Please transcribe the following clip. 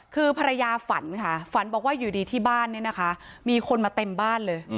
คือภรรยาฝันค่ะฝันบอกว่าอยู่ดีที่บ้านเนี่ยนะคะมีคนมาเต็มบ้านเลย